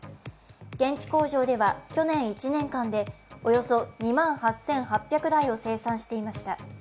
現地工場では去年１年間でおよそ２万８８００台を生産していました。